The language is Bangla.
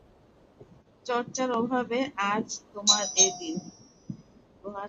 চর্চার অভাবে আজ তোমার এ দিন!